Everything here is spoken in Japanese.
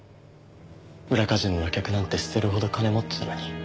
裏カジノの客なんて捨てるほど金持ってたのに。